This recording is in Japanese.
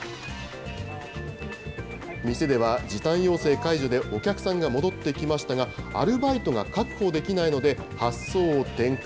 店では、時短要請解除でお客さんが戻ってきましたが、アルバイトが確保できないので、発想を転換。